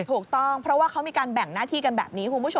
ถูกต้องเพราะว่าเขามีการแบ่งหน้าที่กันแบบนี้คุณผู้ชม